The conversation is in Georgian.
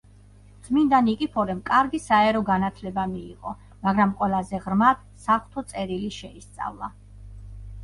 წმიდა ნიკიფორემ კარგი საერო განათლება მიიღო, მაგრამ ყველაზე ღრმად საღვთო წერილი შეისწავლა.